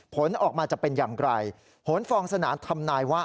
ผลออกมาจะเป็นอย่างไรผลฟองสนานทำนายว่า